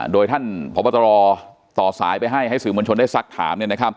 โดยท่านผนนายประสิทธิไชยถอดตอบไปให้สืบวัญชนได้ศักดิ์ถาม